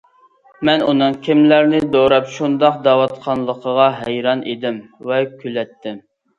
مەن ئۇنىڭ كىملەرنى دوراپ شۇنداق دەۋاتقانلىقىغا ھەيران ئىدىم ۋە كۈلەتتىم.